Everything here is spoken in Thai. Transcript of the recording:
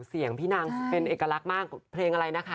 เสียงพี่นางเป็นเอกลักษณ์มากเพลงอะไรนะคะ